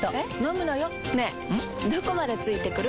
どこまで付いてくる？